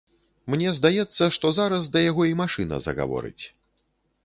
Мне здаецца, што зараз да яго і машына загаворыць.